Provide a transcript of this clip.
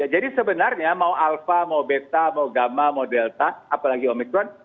jadi sebenarnya mau alpha mau beta mau gamma mau delta apalagi omicron